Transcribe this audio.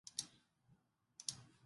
水鹿属哺乳纲偶蹄目的一种鹿。